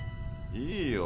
いいよ